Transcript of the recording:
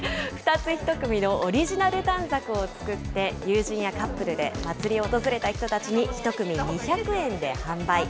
２つ１組のオリジナル短冊を作って、友人やカップルで祭りを訪れた人たちに、１組２００円で販売。